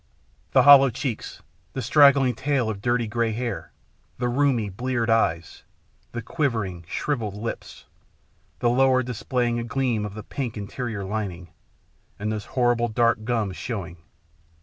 The hollow cheeks, the straggling tail of dirty grey hair, the rheumy bleared eyes, the quivering, shrivelled lips, the lower displaying a gleam of the pink interior lin ing, and those horrible dark gums showing.